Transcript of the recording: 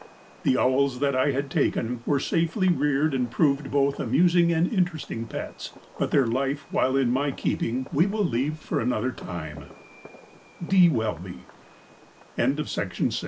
The owls that I had taken were safely reared and prove both amusing and interesting pets, but their life while in my keeping we will leave for another time. D. Welby. THE BROAD TAILED HUMMINGBIRD.